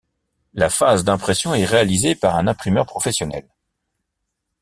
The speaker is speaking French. La phase d'impression est réalisée par un imprimeur professionnel.